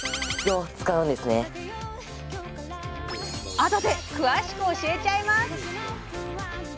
あとで詳しく教えちゃいます！